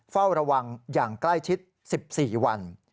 เฝ้าระวังอย่างใกล้ชิด๑๔วัน